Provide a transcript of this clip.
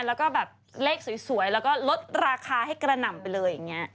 แล้วก็แบบเลขสวยแล้วก็ลดราคาให้กระหน่ำไปเลยอย่างนี้